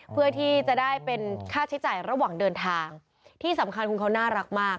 เพื่อที่จะได้เป็นค่าใช้จ่ายระหว่างเดินทางที่สำคัญคุณเขาน่ารักมาก